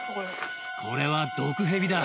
これは毒ヘビだ。